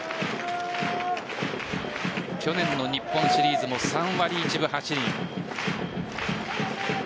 去年の日本シリーズも３割１分８厘。